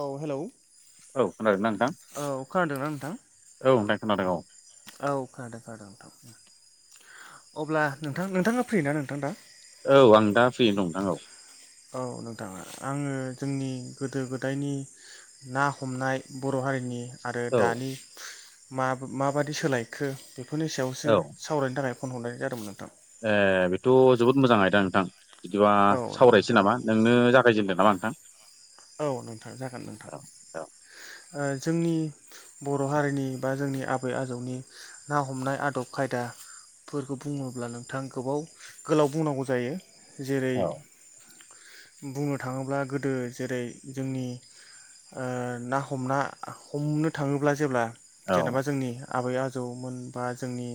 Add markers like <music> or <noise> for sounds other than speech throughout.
औ हेलौ औ खोनादों नां औ खोनादोंना नोंथां? औ नै खोनादों औ। औ खोनादों खोनादों नोंथां। अब्ला नोंथां नोंथाङा फ्रिना नोंथां दा? औ आं दा फ्रियैनो दं नोंथां औ। औ नोंथाङा आङो जोंनि गोदो-गोदायनि ना हमनाय बर' हारिनि आरो औ दानि मा माबादि सोलायखो बेफोरनि औ सायावसो सावरायनो थाखाय फन हरनाय जादों नोंथां। ए बेथ' जोबोद मोजां आयदा नोंथां। बिदिबा औ सावरायसै नोंथां नामा नोंनो जागायजेनदों नामा नोंथां। औ नोंथां जागोन नोंथां। औ औ ओ जोंनि बर' हारिनि बा जोंनि आबै आजौनि ना हमनाय आदब खायदा फोरखौ बुङोब्ला नोंथाङ गोबाव गोलाव बुंनांगौ जायो। जेरै बुंनो थाङोब्ला गोदो जेरै जोंनि ओ ना हमना हमनो थाङोब्ला जेब्ला औ जेनेबा जोंनि आबै आजौमोन बा जोंनि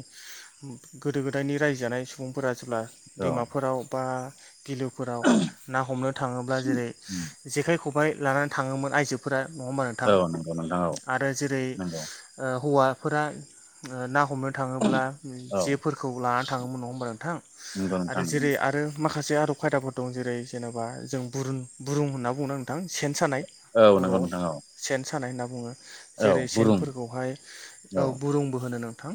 गोदो गोदायनि रायजो जानाय सुबुंफोरा मानसिब्ला औ दैमाफोराव बा गिलोफोराव ना हमनो थाङोब्ला जेरै उम जेखाइ खबाइ लानानै थाङोमोन आइजोफोरा। नङा होमबा औ नोंथां नंगौ नोंथां औ आरो जेरै नंगौ ओ हौवाफोरा ना हमनो थाङोब्ला औ जेफोरखौ लानानै थाङोमोन नङा होनबा नोंथां नंगौ नोंथां आरो नंगौ जेरै आरो मा खासे आरब खायदाफोर दं जेरै जेनेबा जों बुरुं बुरुं होनना बुंनो नोंथां सेन सानाय। औ नंगौ बर'आव नोंथां औ। सेन सानाय होनना बुङो। औ जेरै बुरुम सेनफोरखौहाय औ बुरुंबो होनो नोंथां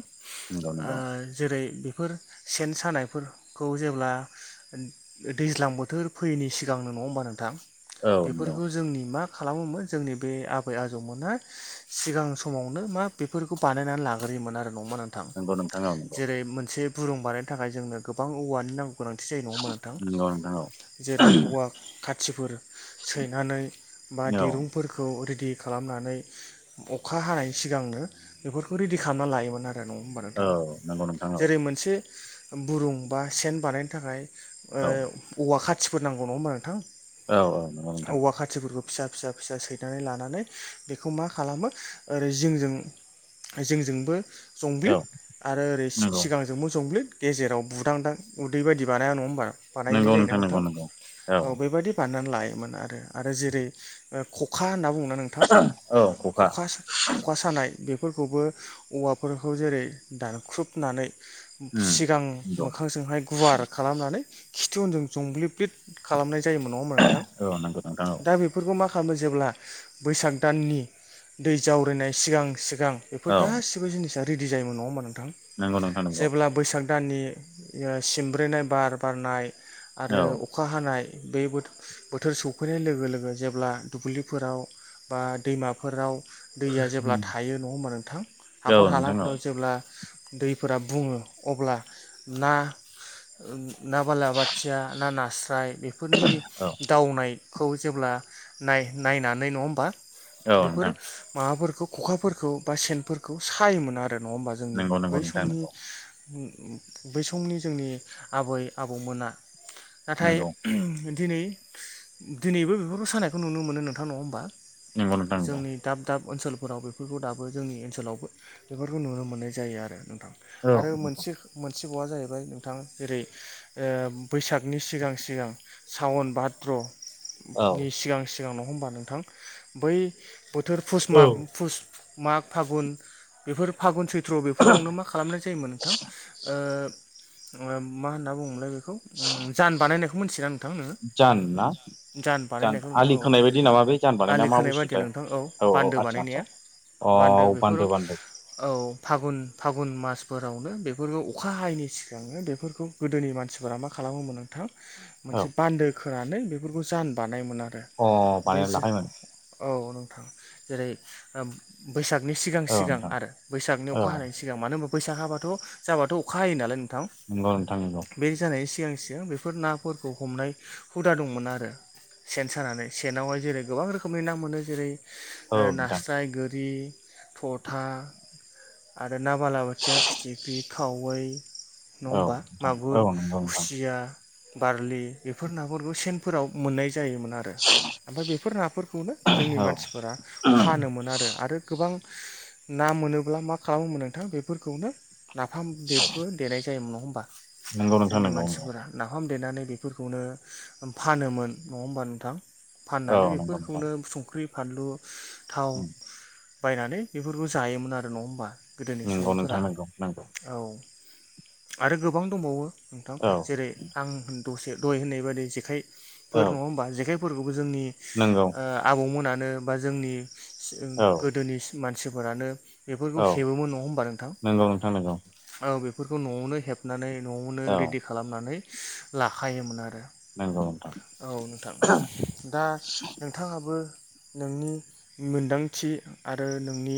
नंगौ ओ नंगौ जेरै बेफोर सेन सानायफोरखौ जेब्ला दैज्लां बोथोर फैयैनि सिगां जांनो नङा होमबा नोंथां औ नंगौ बेफोरखौ जोंनि मा खालामोमोन जोंनि बे आबै-आबौमोना सिगां समावनो मा बेफोरखौ बानायनानै लाग्रोयोमोन आरो। नङा नोंथां नंगौ नोंथां औ जेरै मोनसे बुरुं बानायनो थाखाय जोंनो गोबां औवानि नां गोनांथि जायो नङा नोंथां नंगौ नंगौ नोंथां औ जेरै औवा खाथिफोर सैनानै बा औ दिरुंफोरखौ रेदि खालामनानै अखा हानायनि सिगांनो बेफोरखौ रेडि खालामना लायोमोन आरो। नङा होमबा नोंथां औ नंगौ नोंथां औ जेरै मोनसे बुरुं बा सेन बानायनो थाखाय ओ औ औवा खाथिफोर नांगौ नङा होमबा नोंथां। औ औ नंगौ नोंथां। औवा खाथिफोरखौ फिसा फिसा फिसा सैनानै लानानै बेखौ मा खालामो ओरै जिंजों जोंजोंबो जंब्लिद औ आरो ओरै नंगौ सिगांजोंबो जंब्लिद गेजेराव बुदांदां उदै बायदि बानाया नङा होमबा बानायनाय नंगौ जायो ना नंगौ नोंथां नंगौ औ बेबायदि बा नानै लायोमोन आरो जेरै खखा होनना बुङो ना नोंथां औ खखा ख'खा सानाय बेफोरखौबो औवाफोरखौ जेरै दानख्रुबनानै। उम सिगां नंगौ मोखांजोंहाय गुवार खालामनानै। खितुउनजों जंब्लिब्लिद खालामनाय जायोमोन नङामोन नोंथां। औ नांगौ नोंथा औ। दा बेफोरखौ मा खालामो जेब्ला बैसाग दाननि दै जावरायनाय सिगां सि गां बेफोर औ गासिबो जिनिसा रेदि जायोमोन नङा होमबा नोंथां नंगौ नोंथां नंगौ जेब्ला बैसाग दाननि सिमब्रेनाय बार बारनाय औ आरो अखा हानाय। बेबोथ। बोथोर सौफैनाय लोगो लोगो जेब्ला दुब्लिफोराव बा दैमाफोराव। दैया जेब्ला थायो नङा होमबा नोंथां औ हाखर नोंथां हालाफोराव औ जेब्ला दैफोरा बुङो अब्ला ना ना बालाबाथिया ना नास्राय। बेफोरनि औ दावनायखौ जेब्ला नाय-नायनानै नङा होमबा। औ बेफोर नोंथां माबाफोरखौ खखाफोरखौ बा सेनफोरखौ सायोमोन आरो। नङा होमबा जोंनि नंगौ नंगौ बै नोंथां समनि। नंगौ बै समनि जोंनि आबै आबौमोना। नाथाय नंगौ दिनै। दिनैबो बेफोरखौ सानायखौ नुनो मोनो नोंथां नङा होमबा नंगौ नोंथां नंगौ जोंनि दाब दाब ओनसोलफोराव बेफोरखौ दाबो जोंनि ओनसोलावबो बेफोरखौ नुनो मोननाय जायो आरो। औ आरो नोंथां मोनसे मोनसेबावा जाहैबाय नोंथां जेरै ओ बैसागनि सिगां सिगां सावन बाद द्र औ नि सिगां सिगां नङा होमबा नोंथां बै बोथोर फुस औ माग फुस माग फागुन बेफोर फागुन सैट्र ट्र' बेफोरावनो मा खालामनाय जायोमोन नोंथां ओ मा होनना बुङोमोनलाय बे खौ उम जान बानायनायखौ मिथियो ना जान ना जान बानायनायखौ नोंथां आलि औ खोनाय बायदि नामा बे जान बानायना आलि मा खोनाय बायदिया बुस्थुथाय नोंथां औ बान्दो बानायनाया। औ बान्दो बेफोर औ। बान्दो फागुन फागुन मासफोरावनो बेफोरखौ अखा हायैनि सिगांनो बेफोरखौ गोदोनि मानसिफोरा मा खालामो। खालामोमोन नोंथां औ मोनसे बान्दो खोनानै बेफोरखौ जान बानायोमोन आरो। अ बे बानायना जो लाखायोमोन। औ नोंथां जेरै बैसागनि सिगां औ सिगां नोंथां आरो बैसागनि अखा औ हानायनि सिगां मानो होनबा बैसाग हाबाथ' जाबाथ' अखा हायो नालाय। नोंथां नंगौ नोंथां नंगौ बे जानायनि सिगां सिगां बेफोर नाफोरखौ हमनाय। हुदा दंमोन आरो सेन सानानै सेनावहाय जेरै गोबां रोखोमनि ना मोनो जेरै औ नोंथां नास्राय गोरि थथा आरो आरो ना बालाबाथिया फिथिख्रि खावै नङा औ होमबा नोंथां औ मागुर नंगौ नोंथां खुसिया। बारलि बेफोर नाफोरखौ सेनफोराव मोननाय जायोमोन आरो ओमफाय बेफोर नाफोरखौनो जोंनि औ मानसिफोरा फानोमोन आरो आरो गोबां। ना मोनोब्ला मा खालामोमोन नोंथां बेफोरखौनो नाफाम देबो देनाय जायोमोन। होमबा नंगौ नोंथां जोंनि नंगौ नंगौ मानसिफोरा नाफाम। देनानै बेफोरखौनो फानोमोन नङा होमबा नोंथां। फाननानै औ नंगौ बेफोरखौनो नोंथां संख्रि, फानलु, थाव। बायनानै बेफोरखौ जायोमोन आरो नङा होमबा गोदोनि नंगौ सुबुंफोरा नोंथां नंगौ नंगौ औ। आरो गोबां दंबावो नोंथां औ जेरै आं दसे दहाय होननाय बायदि जेखाइ औ फोर नङा होमबा जेखायफोरखौबो जोंनि नंगौ ओ आबौमोनानो बा जोंनि औ गोदोनि मानसिफोरानो बेफोरखौ औ हेबोमोन नङा' होमबा नोंथां नंगौ नोंथां नंगौ औ बेफोरखौ न'आवनो हेबनानै न'आवनो औ रेडि खालामनानै लाखायोमोन आरो। नंगौ नोंथां औ नोंथां दा नोंथाङाबो नोंनि मोनदांथि आरो नोंनि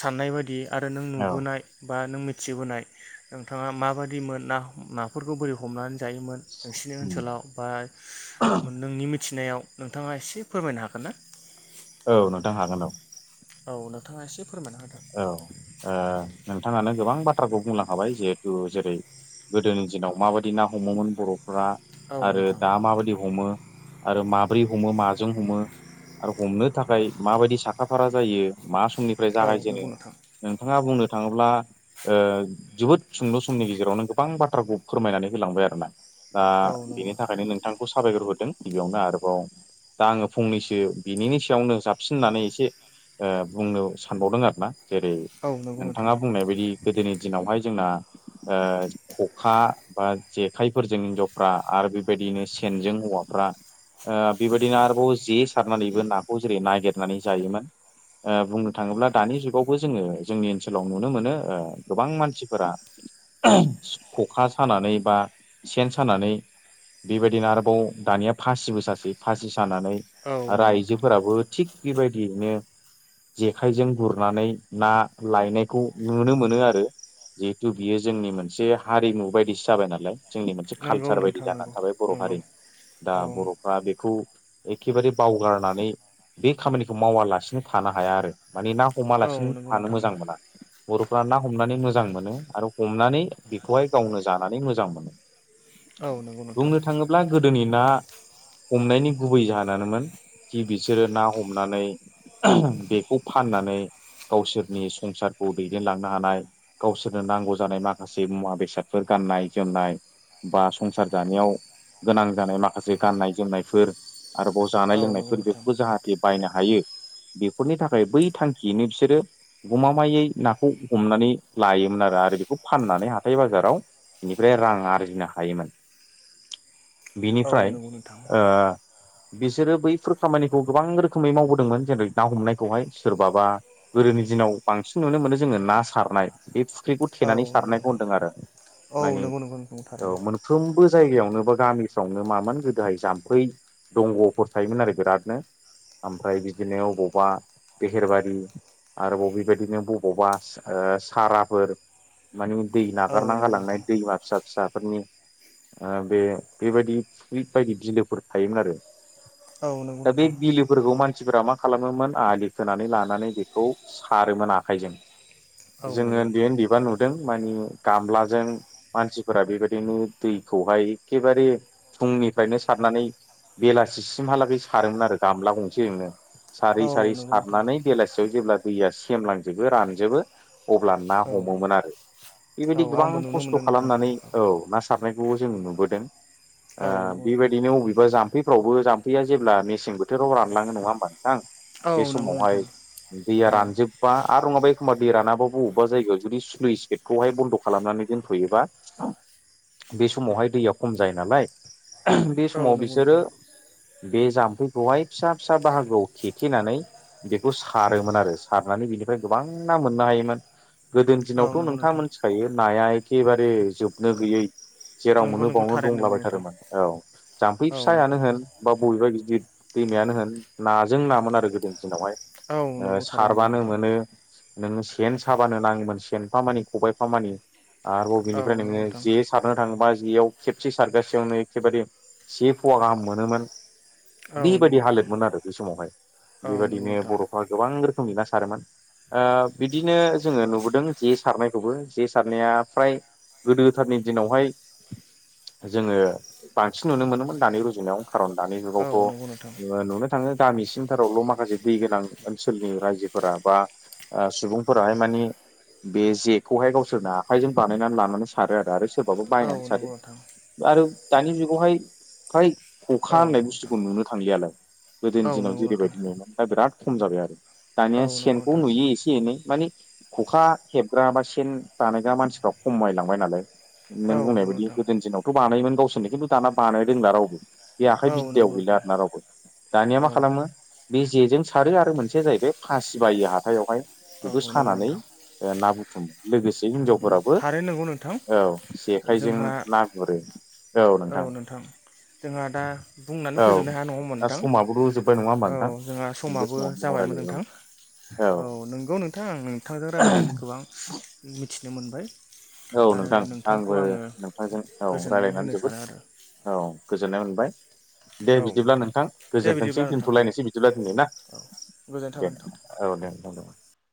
साननाय बादि आरो नों औ नुबोनाय‌‌ बा नों मिथिबोनाय नोंथाङा माबायदि मोन ना नाफोरखौ बोरै हमनानै जायोमोन नोंसोनि उम ओनसोलाव बा नोंनि मिथ मोनथिनायाव नोंथाङा एसे फोरमायनो हागोन ना। औ नोंथां हागोन औ। औ नोंथाङा एसे फोरमायना होदो। औ ओ नोंथाङानो गोबां बाथ्राखौ बुंलां खाबाय जिहेथु जेरै गोदोनि दिनाव माबायदि ना हमोमोन बर' फोरा औ आरो नोंथां दा माबायदि हमो आरो माब्रै हमो माजों हमो आरो हमनो थाखाय माबायदि साखा फारा जायो मा समनिफ्राय औ जागायजेनो नंगौ नोंथां नोंथाङा बुं बुंनो थाङोब्ला ओ जोबोद सुंद' समनि गेजेरावनो गोबां बाथ्राखौ फोरमायनानै होलांबाय आरो ना। दा औ नंगौ बेनि नोंथां। थाखायनो नोंथांखौ साबायखर होदों गिबियावनो आरोबाव दा आङो फंनैसो बिनिनि सायावनो साबसिन होननानै एसे ओ बुंनो सानबावदों आरो। ना जेरै औ नंगौ नोंथां नोंथाङा बुंनाय बायदि गोदोनि दिनावहाय जोंना ओ खखा बा जेखाइफोरजों हिनजावफ्रा आरो बेबायदिनो सेनजों हवाफ्रा ऐ बेबायदिनो आरोबाव जे सारनानैबो नाखौ जेरै नागिरनानै जायोमोन। ओ बुंनो थाङोब्ला दानि जुगावबो जोङो जोंनि ओनसोलाव नुनो मोनो ओ गोबां मानसिफोरा सु ख'खा सानानै बा सेन सानानै बेबायदिनो आरोबाव दानिया फासिबो ससे फासि खानानै औ आरो नंगौ नोंथां आइजोफोराबो थिग बेबायदियैनो जेखायजों गुरनानै ना लायनायखौ नुनो मोनो आरो। जिहेथु बियो जोंनि मोनसे हारिमु बायदिसो जाबाय नालाय। जोंनि मोनसे नंगौ कालसार बायदि नोंथां जानानै नंगौ थाबाय बर' नंगौ हारिनि। दा औ बर'फ्रा बेखौ एखेबारे बावगारनानै बे खामानिखौ मावालासिनो थानो हाया आरो। माने ना औ अमालासिनो नंगौ थानो नोंथां मोजां मोना। बर'फ्रा ना हमनानै मोजां मोनो आरो हमनानै बेखौहाय गावनो जानानै मोजां मोनो। औ नंगौ नोंथां। बुंनो थाङोब्ला गोदोनि ना <inaudible> हमनायनि गुबै जाहोनानोमोन खि बिसोरो ना हमनानै बेखौ फाननानै गावसोरनि संसारखौ दैदेनलांनो हानाय गावसोरनो नांगौ जानाय माखासे मुवा बेसाद फोर गाननाय जोमनाय। बा संसार जानायाव गोनां जानाय माखासे गाननाय जोमनायफोर। आरोबाव जानाय औ नंगौ लोंनायफोर नोंथां बेफोरखौ जाहाथे बायनो हायो बेफोरनि थाखाय बै थांखि जनि बिसोरो गमामायै नाखौ हमनानै लायोमोन आरो आरो बेखौ फाननानै हाथाय बाजाराव बेनिफ्राय रां आरजिनो हायोमोन। <inaudible> बिनिफ्राय नंगौ नोंथां ओ बिसोरो बैफोर खामानिखौ गोबां रोखोमै मावबोदोंमोन जेरै ना हमनायखौहाय सोर माबा गोदोनि दिनाव बांसिन नुनो मोनो जोङो ना सारनाय बे फुख्रिखौ औ थेनानै नंगौ सारनायखौ नोंथां होनदों आरो। औ। औ नंगौ‌। औ मोनफ्रोमबो जायगायावनो बा गामिफ्रावनो मामोन गोदोहाय जाम्फै दंग'फोर थायोमोन आरो बिरादनो। ओमफ्राय बिदिनो गबा दहेरबारि आरोब बेबायदिनो बबावबा ओ साराफोर मानि। दै औ नागारना नंगौ गालांनाय नोंथां दैमा फिसा फिसाफोरनि ओ बे बेबायदि फख्रि बायदि बिलोफोर थायोमोन आरो। औ नंगौ दा बे नोंथां बिलोफोरखौ मानसिफोरा मा खालामोमोन आंलि सोनानै लानानै बेखौ सारोमोन आखाइजों औ जोङो नंगौ उन्दै नोंथां उन्दैबा नुदों मानि गामलाजों मानसिफोरा बेबायदिनो दै खौहाय एखेबारे फुंनिफ्रायनो सारनानै बेलासिसिमहाला बेै सारोमोन आरो गामला गंसे जोंनो सारै सारै औ नंगौ नोंथां हारनानै बेलासियाव जेब्ला दैया सेमलांजोबो रानजोबो अब्ला ना औ हमोमोन आरो। औ बेबायदि गोबां आंबो नुनो खस्थ' मोनदों नोंथां खालामनानै औ ना सारनायखौबो जों नुबोदों औ नंगौ नोंथां बेबायदिनो अबेबा जाम्फैफ्रावबो जाम्फैया जेब्ला मेसें बोथोराव रानलाङो नङा होमबा नोंथां। बे औ नंगौ समावहाय नोंथां। दैया औ रानजोबा आरो नङाबा एखमबा दै रानाबा बबेबा जायगायाव जुदि स्लुइ स गेटखौहाय बन्द' खालामनानै दोनथ'योबा। बे समावहाय दैया खम जायो नालाय बे औ समाव नंगौ बिसोरो नोंथां बे जाम्फैखौहाय फिसा फिसा बाहागोआव खेथेनानै बेखौ सारोमोन आरो सारनानै बिनिफ्राय गोबां ना मोननो हायोमोन गोदोनि औ दिनावथ' नंगौ नोंथां मोनथिखायो नाया एखेबारे जोबनो गैयै जेराव नंगौ मोनो नंगौ बयावनो थारैनो नंगौ नोंथां दंलाबायथारोमोन औ जाम्फै औ फिसायानो नोंथां होन बा बबेबा गि जि दैमायानो होन नाजों नामोन आरो गोदोनि दिनावहाय औ ओ नंगौ थारैनो नंगौ सारबानो नोंथां मोनो नोंङो सेन साबानो नाङोमोन सेनफामानि खबायाइफामानि आरो बबेनिफ्राय औ नंगौ नोङो जे नोंथां सारनो थाङोबा जियाव खेबसे सारगासेयावनो एखेबारे से फवा गाहाम मोनोमोन औ बेबायदि नंगौ नोंथां हालोदमोन आरो बै समावहाय औ नंगौ बेबायदिनो नोंथां बर'फ्रा गोबां रोखोमनि ना सारोमोन ओ बिदिनो जोङो नुबोदों जे सारनायखौबो जे सारनाया फ्राय गोदोथारनि दिनावहाय जोङो बांसिन नुनो मोनोमोन दानि रुजुनायाव खारन दानि औ जुगावथ' नंगौ नोंथां नुनो थाङो गामिसि ल' माखासे दै गोनां ओनसोलनि रायजोफोरा बा सुबुंफोराहाय मानि बे जेखौहाय गावसोरनो आखाइजों बानायनानै लानानै सारो आरो। सोरबाबो औ बायनानै सारो नंगौ नोंथां आरो दानि जुगावहाय फ्राय खखा होननाय औ नंगौ बुस्थुखौ नोंथां नुनो थांलियालाय गोदोनि औ दिनाव नंगौ नोंथां जेरैबायदि नुयोमोन दा बिराद खम जाबाय आरो दानिया औ नंगौ सेनखौ नोंथां नुयो एसे एनै मानि खखा हेबग्रा बा सेन बानायग्रा मानसिफ्रा खमायलांबाय नालाय औ नों बुंनाय नंगौ बायदि नोंथां गोदोनि दिनावथ' बानायोमोन गावसोरनो खिन्थु दाना बानाय रोंला रावबो बे आखाइ औ बिद्दायाव नंगौ गैला नोंथां आर ना रावबो दानिया औ मा खालामो बे जेजों सारो आरो मोनसेया जाहैबाय फासि बायो हाथायावहाय बेखौ औ नंगौ सानानै नोंथां ना बुथुमो लोगोसे हिनजावफोराबो थारैनो नंगौ नोंथां औ जेखाइजों जोंहा ना गुरो औ नोंथां। जोंहा दा बुंनानै औ फोजोबनो हाया नङा होनबा दा नोंथां समाबो जोब्बाय नङा होमबा औ। नोंथां जोंहा बे समाबो समाव गोबां जाबायमोन रायलायबाय नोंथां। औ नोंगौ नोंथां आं नोंथांजों रायजायनानै गोबां मिथिनो मोनबाय औ आरो नोंथां नोंथांखौ आंबो आङो नोंथांजों औ गोजोननाय रायज्लायनानै होनो जोबोद सानो आरो औ गोजोननाय मोनदों दे बिदिब्ला नोंथां दे गोजोनथोंसै दोन्थ'लायनोसै बिदिब्ला दिनै ना। दे गोजोन्थाव नोंथां। <inaudible>